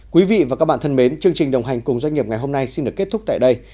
quý vị và các bạn thân mến chương trình đồng hành cùng doanh nghiệp ngày hôm nay xin được kết thúc tại đây